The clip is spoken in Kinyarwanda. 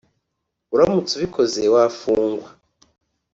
uramutse ubikoze wafungwa